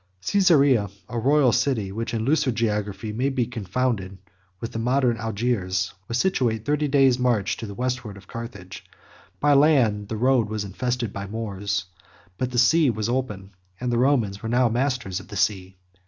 Caesarea, a royal city, which in looser geography may be confounded with the modern Algiers, was situate thirty days' march to the westward of Carthage: by land, the road was infested by the Moors; but the sea was open, and the Romans were now masters of the sea.